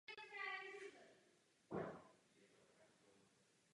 Vystudoval nižší gymnázium a reálku v Litoměřicích.